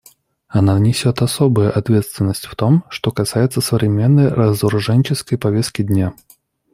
Она несет особую ответственность в том, что касается современной разоруженческой повестки дня.